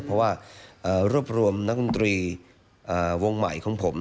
เพราะว่ารวบรวมนักดนตรีวงใหม่ของผม